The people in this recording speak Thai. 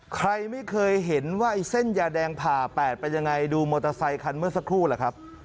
ใครไม่เคยเห็นว่าไอ้เส้นยาแดงผ่า๘เป็นยังไงดูมอเตอร์ไซคันเมื่อสักครู่ล่ะครับ